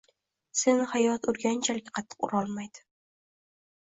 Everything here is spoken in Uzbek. Seni hayot urganchalik qattiq urolmaydi!